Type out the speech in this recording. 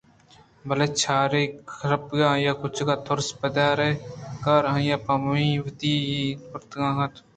بلے چاڑکہّیں شپانک ءُ آئی ءِ کُچکّ ءِ تُرس ءَ پرے کار ءَ آئی ءَ بِہ وتی دل پُرکُت نہ کُت